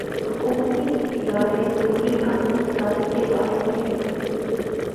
حکومتی ادارے ضروری قانون سازی کے بارے میں بے